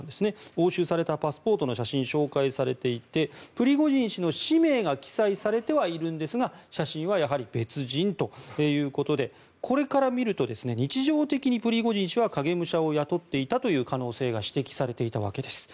押収されたパスポートの写真が紹介されていてプリゴジン氏の氏名が記載されてはいるんですが写真はやはり別人ということでこれから見ると日常的にプリゴジン氏は影武者を雇っていたという可能性が指摘されていたわけです。